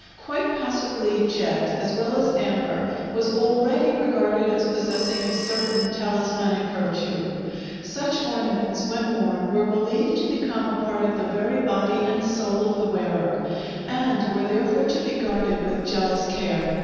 Quite possibly jet, as well as amber, was already regarded as possessing a certain talismanic virtue. Such ornaments, when worn, were believed to become a part of the very body and soul of the wearer, and were therefore to be guarded with jealous care.